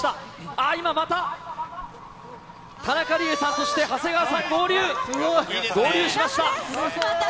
あっ、今また、田中理恵さん、そして長谷川さん合流、合流しました。